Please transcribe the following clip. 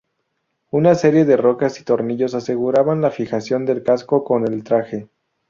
Una serie de roscas y tornillos aseguraban la fijación del casco con el traje.